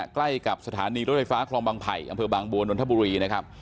ใกล้กับสถานีรถไฟฟ้าคลองบางไผ่บางบวนดนทบุรี